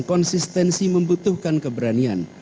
konsistensi membutuhkan keberanian